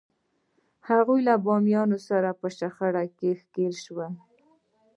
هغوی له بومیانو سره په شخړه کې ښکېل شول.